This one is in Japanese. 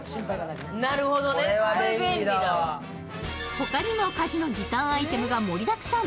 他にも家事の時短アイテムが盛りだくさん。